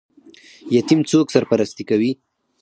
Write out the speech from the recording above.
یتیم څوک سرپرستي کوي؟